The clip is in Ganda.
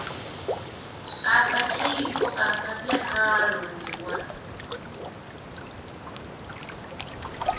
Akakiiko akapya kaalondebwa.